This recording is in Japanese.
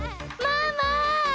ママ！